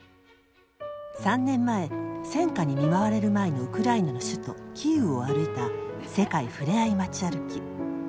３年前、戦禍に見舞われる前のウクライナの首都キーウを歩いた「世界ふれあい街歩き」。